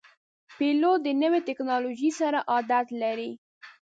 پیلوټ د نوي ټکنالوژۍ سره عادت لري.